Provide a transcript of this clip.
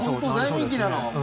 大人気なの？